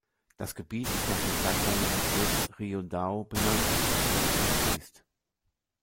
Das Gebiet ist nach dem gleichnamigen Fluss Rio Dão benannt, der es durchfließt.